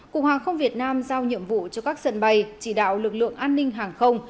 cục hàng không việt nam giao nhiệm vụ cho các sân bay chỉ đạo lực lượng an ninh hàng không